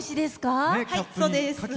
はい、そうです。